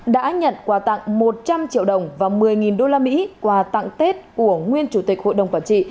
đã nhận quà tặng một trăm linh triệu đồng và một mươi usd quà tặng tết của nguyên chủ tịch hội đồng quản trị